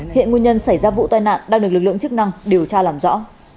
hiện nguyên nhân xảy ra vụ tai nạn đang được lực lượng chức năng điều tra làm rõ